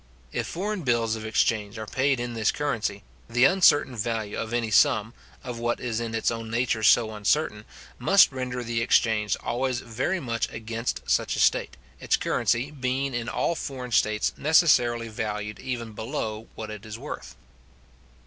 If foreign bills of exchange are paid in this currency, the uncertain value of any sum, of what is in its own nature so uncertain, must render the exchange always very much against such a state, its currency being in all foreign states necessarily valued even below what it is worth.